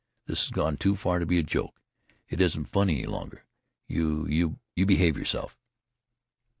This has gone too far to be a joke. It isn't funny any longer. You you behave yourself!"